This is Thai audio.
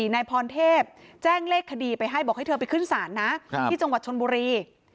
นายพรเทพแจ้งเลขคดีไปให้บอกให้เธอไปขึ้นศาลนะที่จังหวัดชนบุรี